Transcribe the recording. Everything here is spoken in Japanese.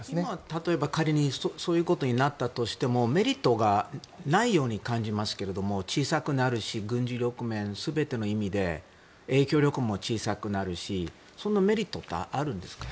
例えば仮にそういうことになったとしてもメリットがないように感じますけれども小さくなるし軍事力、全ての意味で影響力も小さくなるしそのメリットってあるんですか。